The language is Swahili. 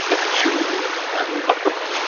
Shule ya Umma.